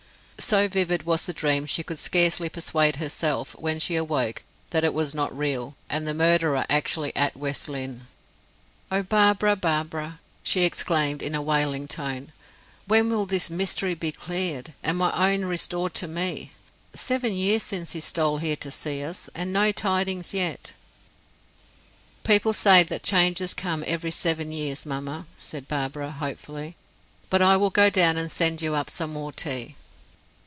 So vivid was the dream, she could scarcely persuade herself, when she awoke, that it was not real, and the murderer actually at West Lynne. "Oh, Barbara, Barbara!" she exclaimed, in a wailing tone, "when will this mystery be cleared, and my own restored to me? Seven years since he stole here to see us, and no tidings yet." "People say that changes come every seven years, mamma," said Barbara, hopefully; "but I will go down and send you up some more tea."